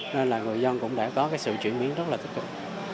nên là người dân cũng đã có cái sự chuyển biến rất là tích cực